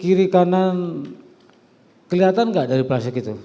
kalau dari sisi kiri kanan kelihatan enggak dari plastik itu